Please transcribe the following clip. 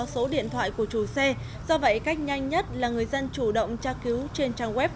số điện thoại của chủ xe do vậy cách nhanh nhất là người dân chủ động tra cứu trên trang web